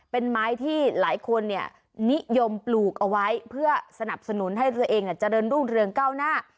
เป็นไม้ที่หลายคนนิยมปลูกเอาไว้เพื่อสนับสนุนให้ตัวเองเจริญรุ่งเรืองก้าวหน้า